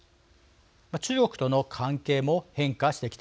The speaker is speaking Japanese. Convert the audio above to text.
中国との関係も変化してきています。